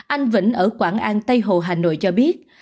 anh vĩnh ở quảng an tây hồ hà nội cho biết